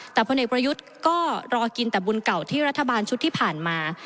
แต่พลเอกประยุทธ์ก็รอกินแต่บุญเก่าที่รัฐบาลชุดที่ผ่านมา